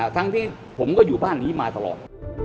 ทั้งที่ผมก็อยู่บ้านนี้มาตลอด